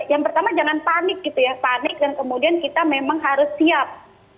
yang pertama jangan panik gitu ya panik dan kemudian kita memang harus siap